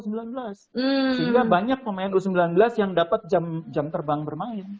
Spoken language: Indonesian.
sehingga banyak pemain u sembilan belas yang dapat jam terbang bermain